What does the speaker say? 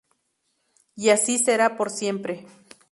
Y así será por siempre.